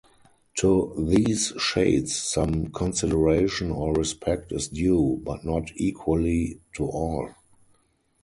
To these shades some consideration or respect is due, but not equally to all.